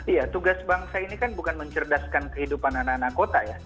iya tugas bangsa ini kan bukan mencerdaskan kehidupan anak anak kota ya